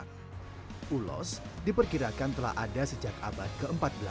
ulos diperkirakan telah ada sejak abad ke empat belas